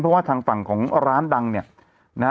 เพราะว่าทางฝั่งของร้านดังเนี่ยนะฮะ